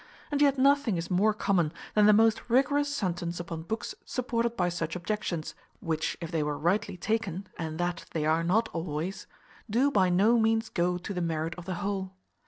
And yet nothing is more common than the most rigorous sentence upon books supported by such objections, which, if they were rightly taken (and that they are not always), do by no means go to the merit of the whole.